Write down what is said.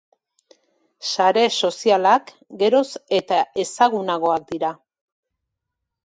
Sare sozialak geroz eta ezagunagoak dira.